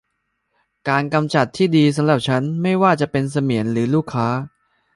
การกำจัดที่ดีสำหรับฉัน ไม่ว่าจะเป็นเสมียนหรือลูกค้า